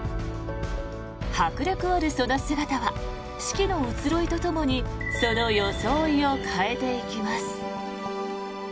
迫力あるその姿は四季の移ろいとともにその装いを変えていきます。